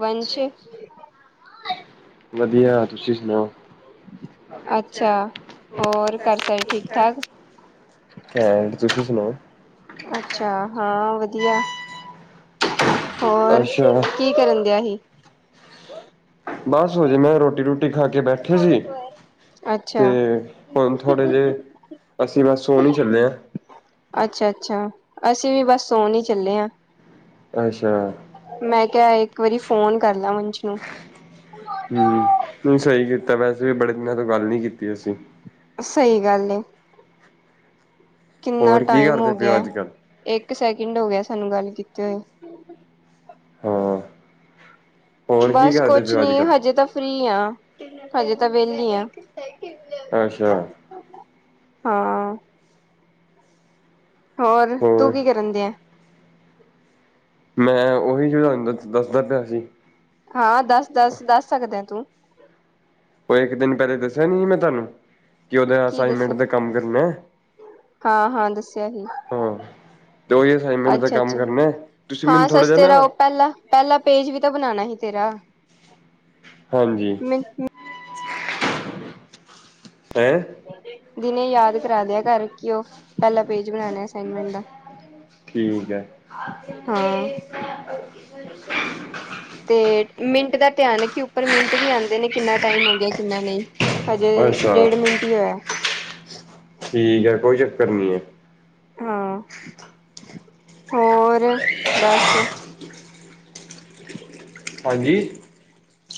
ਵੰਸ਼। ਵਧੀਆ ਤੁਸੀਂ ਸੁਣਾਓ ਅੱਛਾ ਹੋਰ ਘਰ ਸਾਰੇ ਠੀਕ ਠਾਕ? ਹਾਂ ਤੁਸੀਂ ਸੁਣਾਓ? ਅੱਛਾ ਹਾਂ ਵਧੀਆ। ਹੋਰ ਅੱਛਾ ਕੀ ਕਰਨ ਦਿਆ ਸੀ। ਬਸ ਹੋਜੇ ਮੈਂ ਰੋਟੀ ਰੂਟੀ ਖਾ ਕੇ ਬੈਠੇ ਸੀ। ਤੇ ਅੱਛਾ ਹੁਣ ਥੋੜ੍ਹੇ ਜਿਹੇ ਅਸੀਂ ਮੈਂ ਸੋ ਨਹੀਂ ਚੱਲੇ ਹਾਂ। ਅੱਛਾ ਅੱਛਾ ਅਸੀਂ ਵੀ ਬਸ ਸੋਣ ਹੀ ਚੱਲੇ ਹਾਂ। ਅੱਛਾ। ਮੈਂ ਕਿਹਾ ਇੱਕ ਵਾਰੀ ਫੋਨ ਕਰ ਲੈ ਵੰਸ਼ ਨੂੰ ਹਮ ਨਹੀਂ ਸਹੀ ਕੀਤਾ ਵੈਸੇ ਵੀ ਬੜੇ ਦਿਨਾਂ ਤੋਂ ਗੱਲ ਨੀ ਕੀਤੀ ਅਸੀਂ ਸਹੀ ਗੱਲ। ਕਿੰਨਾ ਹੋਰ ਕੀ ਟਾਈਮ ਕਰਦੇ ਹੋ ਪਏ ਗਿਆ ਅੱਜ ਕੱਲ੍ਹ ਇੱਕ ਸੈਕਿੰਡ ਹੋ ਗਿਆ ਸਾਨੂੰ ਗੱਲ ਕੀਤੇ ਹੋਏ। ਹਾਂ। ਹੋਰ ਕੀ ਬਸ ਕਰਦੇ ਪਏ ਕੁਛ ਹੋ ਅੱਜ ਨੀ ਹਜੇ ਕੱਲ੍ਹ ਤਾਂ ਫ੍ਰਰੀ ਆ ਹਜੇ ਤਾਂ ਵਿੇਹਲੀ ਆ। ਅੱਛਾ। ਹਾਂ। ਹੋਰ ਤੂੰ ਕੀ ਕਰਨ ਦੇ ਆ। ਮੈਂ ਉਹੀ ਜ ਤੁਹਾਨੂੰ ਦ ਦੱਸਦਾ ਪਿਆ ਸੀ। ਹਾਂ ਦੱਸ ਦੱਸ ਦੱਸ ਸਕਦੇ ਤੂੰ ਉਹ ਇੱਕ ਦਿਨ ਪਹਿਲੇ ਦੱਸਿਆ ਨ ਸੀ ਮੈਂ ਤੁਹਾਨੂੰ ਕਿ ਉਹਦੇ ਅਸਾਈਨਮੈਂਟ ਦਾ ਕੰਮ ਕਰਨਾ। ਹਾਂ ਹਾਂ ਦੱਸਿਆ ਹੀ ਹਾਂ ਤੇ ਉਹੀ ਅਸਾਈਨਮੈਂਟ ਦਾ ਅੱਛਾ ਕੰਮ ਅੱਛਾ ਕਰਨਾ ਹੈ ਤੁਸੀਂ ਮੈਨੂੰ ਹਾਂ ਥੋੜ੍ਹਾ ਸੱਚ ਜਿਹਾ ਨਾ ਤੇਰਾ ਉਹ ਪਹਿਲਾਂ ਪਹਿਲਾ ਪੇਜ ਵੀ ਤਾਂ ਬਣਾਉਣਾ ਸੀ ਤੇਰਾ। ਹਾਂਜੀ ਮ ਹੈਂ। ਦਿਨੇ ਯਾਦ ਕਰਾ ਲਿਆ ਕਰਰ ਕੀ ਉਹ ਪਹਿਲਾ ਪੇਜ ਬਣਾਣਾ ਅਸਾਈਨਮੈਂਟ ਦਾ ਠੀਕ ਹੈ ਹਾਂ ਤੇ ਮਿੰਟ ਦਾ ਧਿਆਨ ਹੈ ਕਿ ਉੱਪਰ ਮਿੰਟ ਵੀ ਆਉਂਦੇ ਨੇ ਕਿੰਨਾ ਟਾਈਮ ਆਉ ਗਿਆ ਕਿੰਨਾ ਨਹੀਂ ਹਜੇ ਅੱਛਾ ਡੇਢ ਮਿੰਟ ਹੀ ਹੋਇਆ ਠੀਕ ਹੈ ਕੋਈ ਚੱਕਰ ਨਹੀਂ ਹੈ ਹਾਂ ਹੋਰ ਬਸ ਹਾਂਜੀ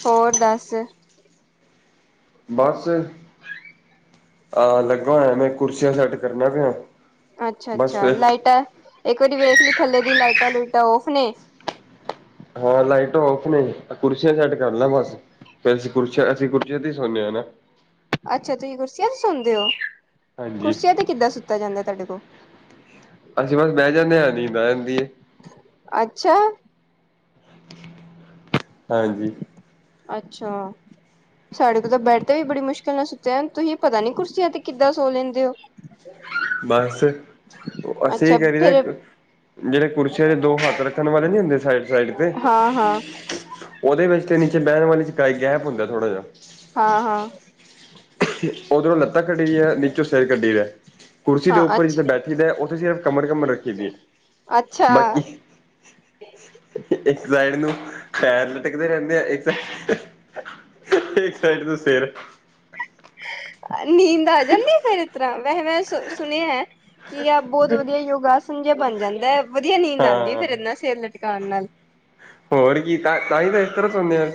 ਹੋਰ ਦੱਸ ਬਸ ਆਹ ਲੱਗਾ ਹੋਇਆ ਮੈਂ ਕੁਰਸੀਆਂ ਸੈੱਟ ਕਰਨਾ ਪਿਆ ਅੱਛਾ ਬਸ ਅੱਛਾ ਫਿਰ ਲਾਈਟਾਂ ਇੱਕ ਵਾਰੀ ਵੇਖ ਲਈ ਥੱਲੇ ਦੀ ਲਾਈਟਾਂ ਲੁਟਾਂ ਔਫ ਨੇ ਹਾਂ ਲਾਈਟ ਔਫ ਨੇ ਕੁਰਸੀਆਂ ਸੈੱਟ ਕਰ ਲੈ ਬਸ ਫ ਅਸੀਂ ਕੁਰਸ਼ ਅਸੀਂ ਕੁਰਸ਼ੇ ਦੀ ਹੀ ਸੁਣਨੇ ਹਾਂ ਨਾ ਅੱਛਾ ਤੁਸੀਂ ਕੁਰਸੀਆਂ ਤੇ ਸੁਣਦੇ ਹੋ ਹਾਂਜੀ ਕੁਰਸੀਆਂ ਤੇ ਕਿੱਦਾਂ ਸੁੱਤਾ ਜਾਂਦਾ ਤੁਹਾਡੇ ਕੋਲ ਅਸੀਂ ਬਸ ਬਹਿ ਜਾਂਦੇ ਹਾਂ ਨੀਦ ਜਾਂਦੀਏ ਅੱਛਾ। ਹਾਂਜੀ। ਅੱਛਾ। ਸਾਡੇ ਕੋਲ ਤਾਂ ਬੇਡ ਤੇ ਵੀ ਬੜੀ ਮੁਸ਼ਕਿਲ ਨਾਲ ਸੁਤਾ ਜਾਂਦਾ ਤੁਸੀਂ ਪਤਾ ਨੀ ਕੁਰਸੀਆਂ ਤੇ ਕਿੱਦਾਂ ਸੋ ਲੈਂਦੇ ਹੋ। ਬਸ ਅਸੀਂ ਅੱਛਾ ਇਹ ਕਰੀਦਾ ਫੇਰ ਜਿਹੜੇ ਕੁਰਸੀਆਂ ਦੇ ਦੋ ਹੱਥ ਰੱਖਣ ਵਾਲੇ ਨੀ ਹੁੰਦੇ ਸਾਈਡ ਸਾਈਡ ਤੇ ਹਾਂ, ਹਾਂ, ਉਹਦੇ ਵਿੱਚ ਤੇ ਨੀਚੇ ਬਹਿਣ ਵਾਲੀ ਗੈਪ ਹੁੰਦਾ ਥੋੜਾ ਜਾਹਾ ਹਾਂ ਹਾਂ ਉਧਰੋਂ ਲੱਤ ਕੱਢੀ ਰਹੀ ਹੈ ਨੀਚੋਂ ਸਿਰ ਕੱਢੀ ਰਿਹਾ ਹੈ ਕੁਰਸੀ ਦੇ ਹਾਂ ਉੱਪਰ ਜਿੱਥੇ ਅੱਛਾ। ਬੈਠੀ ਦਾ ਉੱਥੇ ਸਿਰਫ਼ ਕਮਰ ਕਮਰ ਰੱਖੀ ਦੀ ਹੈ ਅੱਛਾ, ਬਾਕੀ ਇੱਕ ਸਾਈਡ ਨੂੰ ਪੈਰ ਟਕਦੇ ਰਹਿੰਦੇ ਆ ਇੱਕ ਇੱਕ ਸਾਈਡ ਤੋਂ ਸਿਰ ਨੀਂਦ ਆ ਜਾਂਦੀ ਫੇਰ ਇਸ ਤਰ੍ਹਾਂ ਵੈਸੇ ਮੈਂ ਸੁ ਸੁਣਿਆ ਹੈ ਕੀ ਆ ਬਹੁਤ ਵਧੀਆ ਯੋਗਾਸਨ ਜਿ ਬਣ ਜਾਂਦਾ ਹੈ ਵਧੀਆ ਨੀਂਦ ਆਉਂਦੀ ਹਾਂ ਫਿਰ ਇਨਾ ਸਿਰ ਲਟਕਾਉਣ ਨਾਲ ਹੋਰ ਕੀ ਤਾਂ, ਤਾਂਹੀ ਤੇ ਇਧਰ ਸੁਣਦੇ ਆਂ।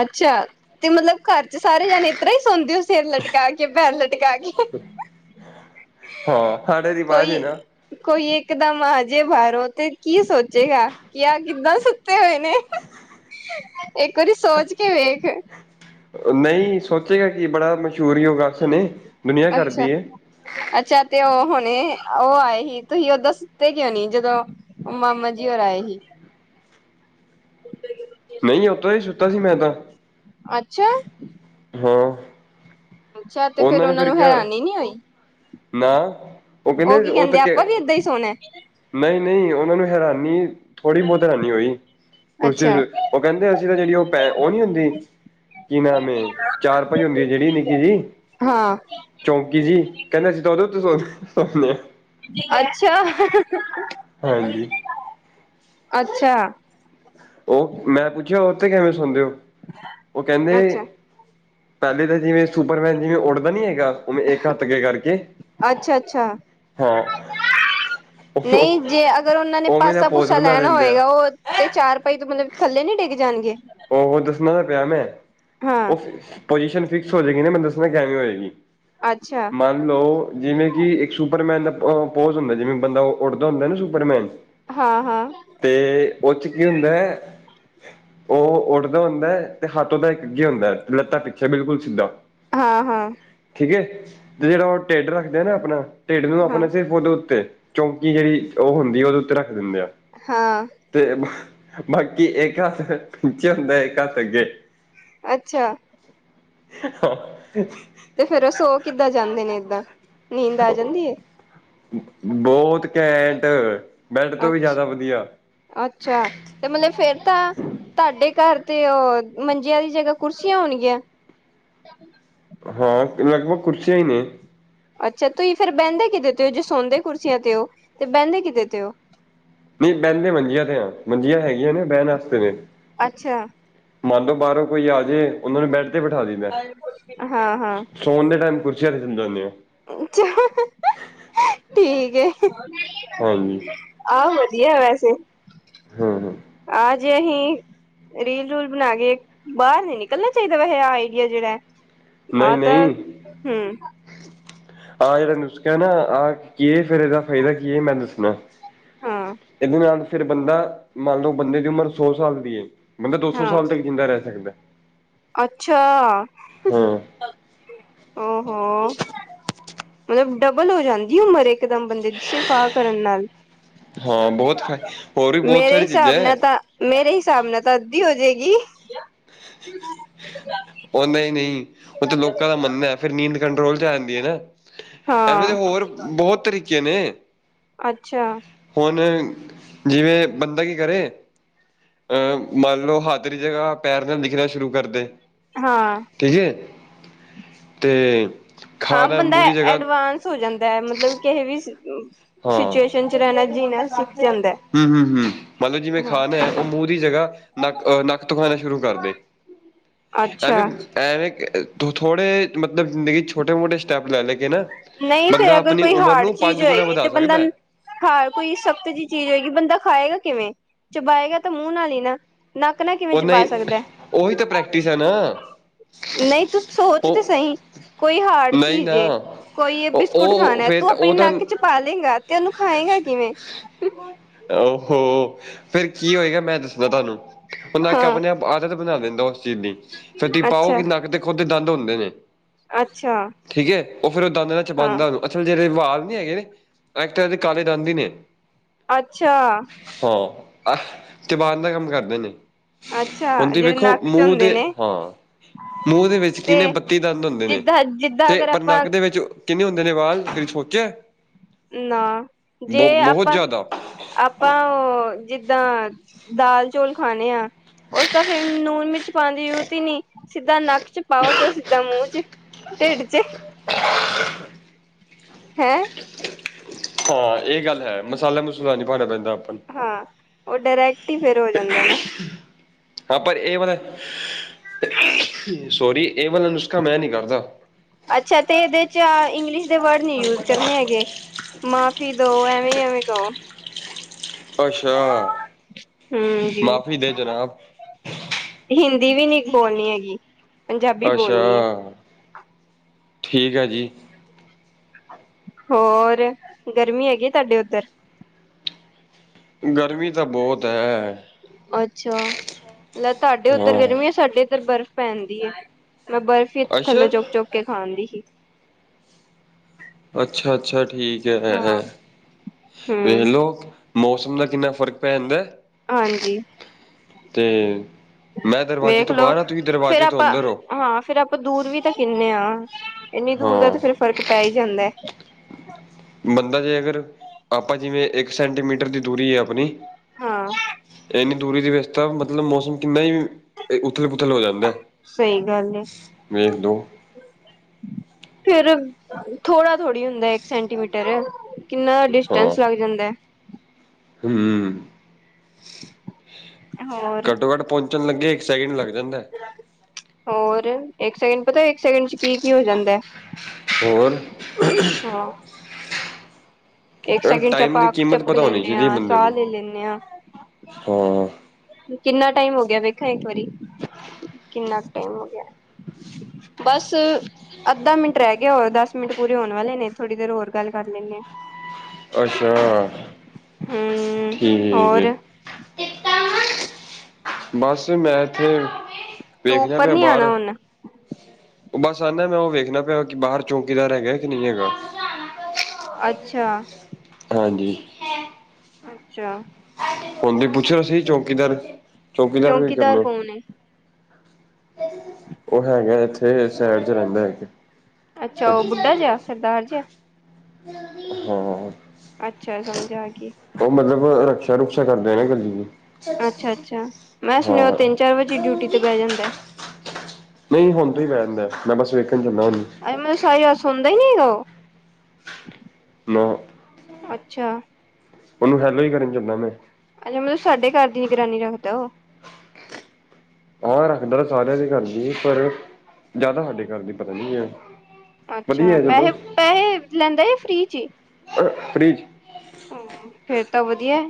ਅੱਛਾ ਤੇ ਮਤਲਬ ਘਰ ਚ ਸਾਰੇ ਜਾਣੇ, ਇਸ ਤਰਾਂ ਹੀ ਸੌਦੇ ਹੋ। ਸਿਰ ਲਟਕਾ ਕੇ, ਭੈਰ ਲਟਕਾ ਕੇ। ਹਾਂ, ਸਾਡੇ ਰਿਵਾਜ਼ ਕੋਈ ਹੈ ਨਾ। ਕੋਈ ਇੱਕਦਮ ਆਜੇ ਬਾਹਰੋਂ ਤੇ, ਕੀ ਸੋਚੇਗਾ। ਕੀ ਆ ਕਿੱਦਾਂ ਸੁੱਤੇ ਹੋਏ ਨੇ। ਇੱਕ ਵਾਰੀ ਸੋਚ ਕੇ ਵੇਖ। ਨਹੀਂ ਸੋਚੇਗਾ ਕਿ, ਬੜਾ ਮਸ਼ਹੂੂਰ ਹੀ ਹੋਗਾ ਉਸਨੇ। ਅੱਛਾ। ਅੱਛਾ ਤੇ ਉਹ ਹੁਣੇ ਉਹ ਆਏ ਸੀ। ਤੁਸੀਂ ਓਦਾਂ ਸੁਤੇ ਕਿਉਂ ਨੀ। ਜਦੋਂ ਮਾਮਾ ਜੀ ਔਰ ਆਏ ਸੀ। ਨਹੀਂ, ਉੱਦਾ ਹੀ ਸੁੱਤਾ ਸੀ ਮੈਂ ਤਾਂ। ਅੱਛਾ! ਹਾਂ। ਅੱਛਾ ਤੇ ਫੇਰ ਉਹਨਾਂ ਨੇ ਉਹਨਾ ਫਿਰ ਨੂੰ, ਕਿਹਾ ਹੈਰਾਨੀ ਨੀ ਹੋਈ। ਨਾ, ਉਹ ਕਹਿੰਦੇ ਕੀ ਉਹ ਤੇ ਕੇ। ਆਪਾਂ ਵੀ ਏਦਾਂ ਹੀ ਸੋਣਾ ਨਹੀਂ- ਨਹੀਂ ਉਹਨਾਂ ਨੂੰ ਹੈਰਾਨੀ, ਥੋੜੀ ਬਹੁਤ ਹੈਰਾਨੀ ਹੋਈ। ਅੱਛਾ ਉਹ ਕਹਿੰਦੇ ਅਸੀਂ ਤਾਂ, ਜਿਹੜੀ ਉਹ ਪੈ ਉਹ ਨੀ ਹੁੰਦੀ ਕਿ ਨਾਮਂ ਏ। ਚਾਰ ਪਾਈ ਹੁੰਦੀ ਜਿਹੜੀ ਨਿੱਕੀ ਜੀ। ਹਾਂ। ਚੌਂਕੀ ਜੀ, ਕਹਿੰਦੇ ਸੀ ਤਾਂ ਉਦੋਂ ਤੋਂ ਸੁਦੇ ਆ। ਅੱਛਾ, ਹਾਂਜੀ ਅੱਛਾ। ਉਹ ਮੈਂ ਪੁੱਛਿਆ ਉਹ ਤੇ ਕਿਵੇਂ ਸੁਣਦੇ ਹੋ? ਉਹ ਕਹਿੰਦੇ ਪਹਿਲੇ ਤਾਂ ਜਿਵੇਂ ਸੁਪਰਮੈਨ ਜਿਵੇਂ ਉੱਡਦਾ ਨੀ ਹੈਗਾ। ਉਵੇਂ ਇੱਕ ਹੱਥ ਅੱਗੇ ਕਰਕੇ। ਅੱਛਾ- ਅੱਛਾ। ਹਾਂ ਨਹੀਂ ਉਹ ਜੇ ਅਗਰ ਉਹਨਾਂ ਨੇ, ਉਵੇਂ ਦਾ ਪਾਸਾ- ਪੋਜ ਪੂਸਾ ਬਣਾ ਲੈਣਾ ਲੈਂਦੇ ਆ ਹੋਏਗਾ। ਉਹ, ਤੇ ਚਾਰ ਪਾਈ ਤੋਂ ਮਤਲਬ, ਥੱਲੇ ਨੀ ਡਿੱਗ ਜਾਣਗੇ। ਉਹ ਦੱਸਣਾ ਤਾਂ ਪਿਆ ਮੈਂ। ਹਾਂ ਉਹ ਪਜੀਸ਼ਨ ਫਿਕਸ ਹੋ ਜਾਏਗੀ ਨਾ। ਮੈ ਦੱਸਣਾ ਕਿਵੇ ਹੋਏਗੀ। ਅੱਛਾ। ਹੈਲੋ, ਜਿਵੇਂ ਕਿ ਇੱਕ ਸੁਪਰਮੈਨ ਦਾ ਪੋਜ ਹੁੰਦਾ। ਜਿਵੇਂ ਬੰਦਾ ਉਹ ਉੱਡਦਾ ਹੁੰਦਾ ਨਾ ਸੁਪਰਮੈਨ। ਹਾਂ- ਹਾਂ। ਤੇ ਉਹ ਚ, ਕੀ ਹੁੰਦਾ ਹੈ। ਉਹ ਉੱਡਦਾ ਹੁੰਦਾ ਹੈ। ਤੇ ਹੱਥ ਉਦਾ ਇੱਕ ਹੁੰਦਾ ਹੈ, ਲੱਤਾ ਪਿੱਛੇ ਬਿਲਕੁਲ ਸਿੱਧਾ। ਹਾਂ- ਹਾਂ। ਠੀਕ ਐ, ਤੇ ਜਿਹੜਾ ਉਹ ਢਿੱਡ ਰੱਖਦਾ ਨਾ ਆਪਣਾ। ਢਿੱਡ ਨੂੰ ਹਾਂ ਆਪਣੇ ਸਿਰਫ ਉਹਦੇ ਉੱਤੇ। ਚੌਂਕੀ ਜਿਹੜੀ ਉਹ ਹੁੰਦੀ। ਉਹਦੇ ਉੱਤੇ ਰੱਖ ਦਿੰਦੇ ਆ। ਹਾਂ। ਤੇ ਬਾਕੀ ਇੱਕ ਪਿੱਛੇ ਹੁੰਦਾ, ਇੱਕ ਹੱਥ ਅੱਗੇ। ਅੱਛਾ। ਹਾ। ਤੇ ਫੇਰ ਉਹ ਸੋ ਕਿੱਦਾਂ ਜਾਂਦੇ ਨੇ, ਏਦਾਂ ਨੀਂਦ ਆ ਜਾਂਦੀ ਹੈ। ਬਹੁਤ ਕੈਂਟ। ਬੈਡ ਤੋਂ ਵੀ ਅੱਛਾ ਜ਼ਿਆਦਾ ਵਧੀਆ। ਅੱਛਾ, ਤੇ ਮਤਲਬ ਫੇਰਤਾ। ਤੁਹਾਡੇ ਘਰ ਤੇ ਉਹ ਮੰਜਿਆਂ, ਦੀ ਜਗਾ ਕੁਰਸੀਆਂ ਹੋਣਗੀਆਂ। ਹਾਂ ਲਗਭਗ ਕੁਰਸੀਆਂ ਹੀ ਨੇ। ਅੱਛਾ, ਤੁਸੀਂ ਫੇਰ ਬਹਿੰਦੇ ਕਿਦੇ ਤੇ ਹੋ। ਜੇ ਸੌਦੇ ਕੁਰਸੀਆਂ ਤੇ ਹੋ। ਤੇ ਬਹਿੰਦੇ ਕਿਤੇ ਤੇ ਹੋ। ਨਹੀਂ ਬਹਨਦੇ ਮੰਜੀਆਂ ਤੇ ਆ। ਮੰਜੀਆਂ ਹੈਗੀਆਂ ਨੇ ਬਹਿਣ ਵਾਸਤੇ ਨੇ। ਅੱਛਾ। ਮੰਨ ਲੋ ਬਾਹਰੋਂ ਕੋਈ ਆਜੇ। ਉਹਨਾਂ ਨੂੰ ਬੈਠ ਤੇ ਬਿਠਾ ਦਈ ਦਾ ਏ। ਹਾਂ- ਹਾਂ। ਸੋਨ ਦੇ ਟਾਈਮ ਕੁਰਸੀਆਂ ਦੇ ਦਿੰਦੇ ਹੋਨੇ ਆ। ਅੱਛਾ, ਠੀਕ ਏ। ਹਾਂਜੀ ਆ ਵਧੀਆ ਵੈਸੇ। ਹੂ ਹੂ ਆਜੇ ਹੀ ਰੀਲ ਰੂਲ ਬਣਾ ਕੇ ਬਾਹਰ ਨੀ ਨਿਕਲਣਾ ਚਾਹੀਦਾ ਵੈਸੇ ਆਈਡੀਆ ਜਿਹੜਾ ਹੈ। ਨਹੀਂ ਆਹ ਤਾਂ ਨਹੀਂ ਹਮ ਆਹ ਜਿਹੜਾ ਨੁਸਕਾ ਨਾ ਆਹ ਕੀ ਫਿਰ ਇਹਦਾ ਫਾਇਦਾ ਕੀ ਹੈ ਮੈਨੂੰ ਦੱਸਣਾ ਹਾਂ ਇਹਦੇ ਨਾਲ ਫਿਰ ਬੰਦਾ ਮੰਨ ਲਓ ਬੰਦੇ ਦੀ ਉਮਰ ਸੌ ਸਾਲ ਦੀ ਬੰਦਾ ਦੋ ਸੌ ਹਾਂ ਸਾਲ ਤੱਕ ਜਿੰਦਾ ਰਹਿ ਸਕਦਾ ਅੱਛਾ ਹਾਂ ਹੋੋ ਮਤਲਬ ਡਬਲ ਹੋ ਜਾਂਦੀ ਉਮਰ ਇੱਕ ਦਮ ਬੰਦੇ ਦੀ ਸਿਫ ਆ ਕਰਨ ਨਾਲ ਹਾਂ ਬਹੁਤ ਫਾਇ ਹੋਰ ਵੀ ਬਹੁਤ ਮੇਰੇ ਸਾਰੀ ਚੀਜ਼ਾਂ ਹਿਸਾਬ ਨਾਲ ਹੈ ਤਾਂ ਮੇਰੇ ਹਿਸਾਬ ਨਾਲ ਤਾਂ ਅੱਧੀ ਹੋ ਜਾਏਗੀ ਉਹ ਨਹੀਂ ਨਹੀਂ ਉਹ ਤੇ ਲੋਕਾਂ ਦਾ ਮੰਨਣਾ ਫਿਰ ਨੀਂਦ ਕੰਟਰੋਲ ਜਾਂਦੀਆਂ ਨਾ ਐਵੇਂ ਦੇ ਹਾਂ ਹੋਰ ਬਹੁਤ ਤਰੀਕੇ ਨੇ ਅੱਛਾ। ਹੁਣ ਜਿਵੇਂ ਬੰਦਾ ਕੀ ਕਰੇ ਅਹ ਮੰਨ ਲਓ ਹੱਥ ਜਗ੍ਹਾ ਪੈਰ ਨਾਲ ਲਿਖਣਾ ਸ਼ੁਰੂ ਕਰਦੇ ਹਾਂ- ਠੀਕ ਹੈ ਤੇ ਹਾਂ ਖਾਣਾ ਬੰਦਾ ਮੂੰਹ ਦੀ ਜਗ੍ਹਾ ਐਡਵਾਂਸ ਹੋ ਜਾਂਦਾ ਹੈ ਮਤਲਬ ਕਿਸੇ ਵੀ ਹਾਂ ਸਿਚੁਏਸ਼ਨ ਚ ਰਹਿਨਾ ਜੀਨਾ ਸਿੱਖ ਜਾਂਦਾ ਹੈ। ਹੂ, ਹੂ, ਹੂ ਮੰਨ ਲਓ ਜਿਵੇਂ ਖਾਣਾ ਹੈ ਉਹ ਮੂੰਹ ਦੀ ਜਗ੍ਹਾ ਨੱਕ ਨੱਕ ਤੋ ਖਾਣਾ ਸ਼ੁਰੂ ਕਰਦੇ ਅੱਛਾ। ਐਵੇਂ ਐਵੇਂ ਥੋੜੇ ਮਤਲਬ ਜ਼ਿੰਦਗੀ ਚ ਛੋਟੇ ਮੋਟੇ ਸਟੈਪ ਲੈ ਲੈ ਕੇ ਨਾ ਨਹੀਂ, ਫਿਰ ਬੰਦਾ ਅਗਰ ਆਪਣੀ ਕੋਈ ਉਮਰ ਹਾਰਡ ਨੂੰ ਚੀਜ਼ ਪੰਜ ਗੁਣਾ ਹੋਏਗੀ ਵਧਾ ਤੇ ਬੰਦਾ ਸਕਦਾ ਹੈ ਹਰ ਕੋਈ ਸਖਤ ਜਿਹੀ ਚੀਜ਼ ਹੋਏਗੀ ਬੰਦਾ ਖਾਏਗਾ ਕਿਵੇਂ, ਚਬਾਏਗਾ ਤਾਂ ਮੂੰਹ ਨਾਲ ਹੀ ਨਾ ਨੱਕ ਨਾਲ ਕਿਵੇਂ ਉਹ ਚਬਾ ਨਹੀਂ ਸਕਦਾ ਉਹੀ ਤਾਂ ਪ੍ਰੈਕਟਿਸ ਹੈ ਨਾ ਨਹੀਂ ਤੂੰ ਸੋਚ ਤੇ ਉਹ ਸਹੀ ਕੋਈ ਹਾਰਡ ਨਹੀਂ ਚੀਜ਼ ਨਾ ਹੈ। ਕੋਈ ਇਹ ਉਹ ਬਿਸਕੁਟ ਉਹ ਖਾਣਾ ਫੇਰ ਤੂੰ ਤਾਂ ਆਪਣੀ ਉਹ ਤਾਂ ਨੱਕ ਚ ਪਾ ਲੇਗਾ ਤੇ ਉਹਨੂੰ ਖਾਏਗਾ ਕਿਵੇਂ ਉਹ ਫਿਰ ਕੀ ਹੋਏਗਾ ਮੈਂ ਦੱਸਣਾ ਤੁਹਾਨੂੰ, ਉਹਨਾਂ ਕੇ ਹਾਂ ਆਪਨੇ ਆਪ ਆਦਤ ਬਣਾ ਦਿੰਦਾ ਉਸ ਚੀਜ਼ ਦੀ ਫਿਰ ਤੁਸੀਂ ਪਾਓ ਅੱਛਾ ਨੱਕ ਤੇ ਖੁੱਦ ਦੰਦ ਹੁੰਦੇ ਨੇ ਅੱਛਾ। ਠੀਕ ਹੈ, ਉਹ ਫਿਰ ਉਹ ਦੰਦ ਨਾਲ ਹਾਂ ਚਬਾੰਦਾ ੳਨੁ ਅਛਾ ਜਿਹੜੇ ਵਾਲ ਨੀ ਹੈਗੇ ਨੇ ਐਕਚੁਲੀ ਕਾਲੇ ਦੰਦ ਹੀ ਨੇ ਅੱਛਾ। ਹਾਂ ਚਬਾਨ ਦਾ ਕੰਮ ਕਰਦੇ ਨੇ ਅੱਛਾ ਖੁਦ ਜਿਹੜੇ ਵੇਖੋ ਨੱਕ ਚ ਮੂੰਹ ਹੁੰਦੇ ਦੇ ਨੇ ਹਾਂ ਮੂੰਹ ਦੇ ਵਿੱਚ ਕੀਨੇ ਤੇ ਬੱਤੀ ਦੰਦ ਹੁੰਦੇ ਨੇ ਜਿੱਦਾਂ ਜਿੱਦਾਂ ਤੇ ਅਗਰ ਪਰ ਆਪਾਂ ਨੱਕ ਦੇ ਵਿੱਚ ਕਿੰਨੇ ਹੁੰਦੇ ਨੇ ਵਾਲ ਕਦੀ ਸੋਚਿਆ ਨਾ ਜੇ ਬਹੁ ਬਹੁਤ ਆਪਾਂ ਜ਼ਿਆਦਾ ਆਪਾਂ, ਉਹ ਜਿੱਦਾਂ ਦਾਲ ਚੋਲ ਖਾਨੇ ਆ ਉਸਦਾ ਫਿਰ ਨੂਨ ਮਿਰਚ ਪਾਣ ਦੀ ਜ਼ਰੂਰਤ ਹੀ ਨਹੀਂ ਸਿੱਧਾ ਨੱਕ ਚ ਪਾਓ ਤੇ ਉਹ ਸਿੱਧਾ ਮੂੰਹ ਚ ਢਿਡ ਚ ਹੈ। ਹਾਂ ਇਹ ਗੱਲ ਹੈ, ਮਸਾਲਾ ਮਸੂਲਾ ਨਹੀਂ ਪਾਉਣਾ ਪੈਂਦਾ ਆਪ ਨੂੰ ਹਾਂ ਉਹ ਡਾਇਰੈਕਟ ਹੀ ਫਿਰ ਹੋ ਜਾਂਦੇ ਨਾ ਹਾਂ ਪਰ ਇਹ ਵਾਲ ਸੋਰੀ ਇਹ ਵਾਲ ਨੁਸਕਾ ਮੈਂ ਨਹੀਂ ਕਰਦਾ ਅੱਛਾ ਤੇ ਇਹਦੇ ਚ ਇੰਗਲਿਸ਼ ਦੇ ਵਰਡ ਨਹੀਂ ਯੂਜ ਕਰਨੇ ਹੈਗੇ ਮਾਫ਼ੀ ਦੋ ਐਵੇਂ ਐਵੇਂ ਕਹੋ ਅੱਛਾ, ਹਮ ਜੀ ਮਾਫ਼ੀ ਦੇ ਜਨਾਬ ਹਿੰਦੀ ਵੀ ਨੀ ਬੋਲਣੀ ਹੈਗੀ, ਪੰਜਾਬੀ ਅੱਛਾ ਬੋਲਣੀ ਏ। ਠੀਕ ਹੈ ਜੀ। ਹੋਰ, ਗਰਮੀ ਹੈਗੀ ਤੁਹਾਡੇ ਉੱਧਰ? ਗਰਮੀ ਤਾਂ ਬਹੁਤ ਹੈ। ਅੱਛਾ, ਲੈ ਤੁਹਾਡੇ ਉੱਧਰ ਹਾਂ ਗਰਮੀ ਹੈ, ਸਾਡੇ ਇੱਧਰ ਬਰਫ਼ ਪੈਂਣ ਦੀ ਹੈ ਮੈਂ ਬਰਫ਼। ਫਰਿਜ ਅੱਛਾ ਥੱਲੋਂ ਚੁੱਕ ਚੁੱਕ ਕੇ ਖਾਣ ਦੀ ਸੀ। ਅੱਛਾ- ਅੱਛਾ ਠੀਕ ਹੈ, ਹਾਂ ਵੇਖ ਹੂੰ ਲਓ। ਮੌਸਮ ਦਾ ਕਿੰਨਾ ਫ਼ਰਕ ਪੈ ਜਾਂਦਾ? ਹਾਂਜੀ। ਤੇ ਮੈਂ ਦਰਵਾਜ਼ੇ ਤੋਂ ਵੇਖਲੋ, ਬਾਹਰ ਹਾਂ ਤੁਸੀਂ ਫੇਰ ਦਰਵਾਜ਼ੇ ਤੋਂ ਆਪਾਂ ਅੰਦਰ ਹੋ ਹਾਂ ਫੇਰ ਆਪਾਂ। ਆਪਾਂ ਦੂਰ ਵੀ ਤਾਂ ਕਿੰਨੇ ਆ ਇੰਨੀ ਦੂਰ ਦਾ ਹਾਂ ਤੇ ਫੇਰ ਫ਼ਰਕ ਪੈ ਹੀ ਜਾਂਦਾ। ਬੰਦਾ ਜੇ ਅਗਰ, ਆਪਾਂ ਜਿਵੇਂ ਇੱਕ ਸੈਂਟੀਮੀਟਰ ਦੀ ਦੂਰੀ ਹੈ ਆਪਣੀ। ਹਾਂ ਇੰਨੀ ਦੂਰੀ ਦੀ ਵਿੱਚ ਤਾਂ ਮਤਲਬ ਮੌਸਮ ਕਿੰਨਾ ਹੀ ਉਥਲ ਪੁਥਲ ਹੋ ਜਾਂਦਾ। ਸਹੀ ਗੱਲ ਏ ਵੇਖ ਲਓ ਫਿਰ। ਥੋੜ੍ਹਾ- ਥੋੜ੍ਹੀ ਹੁੰਦਾ, ਇੱਕ ਸੈਂਟੀਮੀਟਰ ਕਿੰਨਾ ਡਿਸਟੈਂਸ ਲੱਗ ਜਾਂਦਾ। ਹਮ। ਹੋਰ ਘੱਟੋ ਘੱਟ ਪਹੁੰਚਣ ਲੱਗੇ ਇੱਕ ਸੈਕਿੰਡ ਲੱਗ ਜਾਂਦਾ। ਹੋਰ ਇੱਕ ਸੈਕਿੰਡ ਪਤਾ ਇੱਕ ਸੈਕਿੰਡ ਚ ਕੀ ਕੀ ਹੋ ਜਾਂਦਾ। ਹੋਰ। ਹਾਂ। ਇੱਕ ਇਹ ਸੈਕਿੰਡ ਚ ਟਾਈਮ ਆਪਾਂ ਦੀ ਅੱਖ ਕੀਮਤ ਚਪਕ ਪਤਾ ਹੋਣੀ ਲੈਂਦੇ ਚਾਹੀਦੀ ਹਾਂ ਬੰਦੇ ਸਾਹ ਨੂੰ ਲੈ ਲੈਂਦੇ ਹਾਂ ਹਾਂ। ਕਿੰਨਾ ਟਾਈਮ ਹੋ ਗਿਆ ਵੇਖਾ ਇੱਕ ਵਾਰੀ ਕਿੰਨਾ ਟਾਈਮ ਹੋ ਗਿਆ। ਬਸ। ਅੱਧਾ ਮਿੰਟ ਰਹਿ ਗਿਆ ਹੋਰ ਦਸ ਮਿੰਟ ਪੂਰੇ ਹੋਣ ਵਾਲੇ ਨੇ ਥੋੜੀ ਦੇਰ ਹੋਰ ਗੱਲ ਕਰ ਲੈਂਦੇ ਹੈ। ਅੱਛਾ ਹਮ ਠੀਕ ਹੈ। ਹੋਰ ਬਸ ਮੈਂ ਤੇ। ਤੂੰ ਵੇਖਦਾ ਉੱਪਰ ਪਿਆ ਨੀ ਆਣਾ ਬਾਹਰ। ਹੁਣ ਉਹ ਬਸ ਆਨਾ ਮੈਂ ਉਹ ਵੇਖਣਾ ਪਿਆ ਕਿ ਬਾਹਰ ਚੌਕੀਦਾਰ ਹੈਗਾ ਕਿ ਨਹੀਂ ਹੈਗਾ। ਅੱਛਾ। ਹਾਂਜੀ। ਅੱਛਾ। ਹਣ ਦੀ ਪੁੱਛਿਆ ਸੀ ਚੌਕੀਦਾਰ ਚੌਕੀਦਾਰ ਵੀ ਚੌਂਕੀਦਾਰ ਕਰਨੇ। ਕੌਣ ਹੈ ਉਹ ਹੈਗਾ ਇੱਥੇ ਸ਼ਹਿਰ ਚ ਰਹਿੰਦਾ ਹੈਗਾ। ਅੱਛਾ ਉਹ ਪੱਕੀ ਬੁੱਢਾ ਗੱਲ ਜਿਹਾ ਸਰਦਾਰ ਜਿਹਾ ਹਾਂ। ਅੱਛਾ, ਸਮਝ ਆ ਗਈ। ਉਹ ਮਤਲਬ ਰਕਸ਼ਾ -ਰੁਕਸ਼ਾ ਕਰਦੇ ਆ ਨਾ ਗੱਡੀ ਨੂੰ। ਅੱਛਾ- ਅੱਛਾ ਮੈਂ ਸੁਣਿਓ ਤਿੰਨ ਚਾਰ ਵਜੇ ਈ ਡਿਊਟੀ ਤੇ ਬੈ ਜਾਂਦਾ। ਨਹੀਂ ਹੁਣ ਤਾਂ ਹੀ ਬਹਿ ਜਾਂਦਾ ਮੈਂ ਬਸ ਵੇਖਣ ਚਲਾ ਉਹ ਨੂੰ। ਇਹਦਾ ਮਤਲਬ ਸਾਰੀ ਰਾਤ ਸੌਂਦਾ ਹੀ ਨਹੀਂ ਉਹ। ਨਾਂ। ਅੱਛਾ। ਉਹਨੂੰ ਹੈਲੋ ਹੀ ਕਰਨ ਚੱਲਾ ਮੈਂ। ਅੱਛਾ ਮਤਲਬ ਸਾਡੇ ਘਰ ਦੀ ਨਿਰਾਨੀ ਰੱਖਦਾ ਉਹ। ਹਾਂ ਰੱਖਦਾ ਤਾਂ ਸਾਰਿਆਂ ਦੇ ਘਰ ਦੀ ਪਰ ਜ਼ਿਆਦਾ ਸਾਡੇ ਘਰ ਦੀ ਪਤਾ ਨੀ ਹੈ। ਅੱਛਾ ਵਧੀਆ ਚਲੋ ਪੈਸੇ ਪੈਸੇ ਲੈਂਦਾ ਜਾ ਫਰੀ ਵਿਚ? ਫਰੀ ਵਿੱਚ। ਫੇਰ ਤਾਂ ਵਧੀਆ।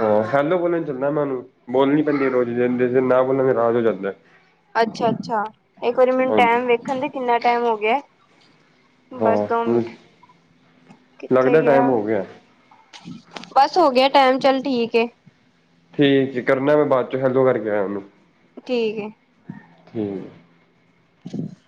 ਹਾਂ ਹੈਲੋ ਬੋਲਣ ਚੱਲਾ ਮੈਂ ਉਹਨੂੰ ਬੋਲਣੀ ਪੈਂਦੀ ਹੈ ਰੋਜ਼ ਜਿਸ ਦਿਨ ਨਾ ਬੋਲਾਂ ਫੇਰ ਨਾਰਾਜ਼ ਹੋ ਜਾਂਦਾ। ਅੱਛਾ ਅੱਛਾ ਇੱਕ ਵਾਰੀ ਮੈਨੂੰ ਹਾਂਜੀ ਟੈਮ ਵੇਖਣ ਦੇ ਕਿੰਨਾ ਟੈਮ ਹੋ ਗਯਾ ਹੈ। ਬਸ ਦੋ ਹਾਂ ਮਿੰਟ, ਕਿੱਥੇ ਲੱਗਦਾ ਟਾਈਮ ਗਿਆ। ਹੋ ਬਸ ਹੋ ਗਿਆ ਟਾਈਮ, ਚੱਲ ਠੀਕ ਏ। ਠੀਕ ਜੀ ਕਰਨਾ ਮੈਂ ਬਾਅਦ ਚੋਂ, ਹੈਲੋ ਕਰਕੇ ਆਇਆ ਉਹਨੂੰ ਠੀਕ ਏ ਕਿ ਹਮ। [unintelligible]